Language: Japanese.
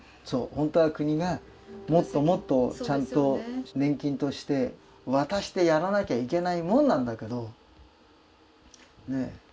本当は国がもっともっとちゃんと年金として渡してやらなきゃいけないもんなんだけど。